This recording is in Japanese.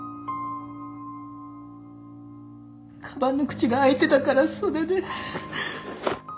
かばんの口が開いてたからそれで。